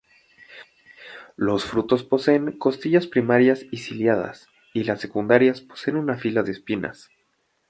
Los frutos poseen costillas primarias ciliadas y las secundarias poseen una fila de espinas.